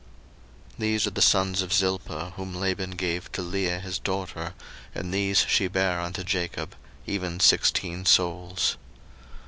01:046:018 These are the sons of Zilpah, whom Laban gave to Leah his daughter, and these she bare unto Jacob, even sixteen souls.